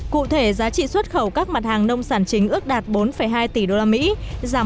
cụ thể giá trị xuất khẩu các mặt hàng nông sản chính ước đạt bốn hai tỷ usd giảm một mươi ba bốn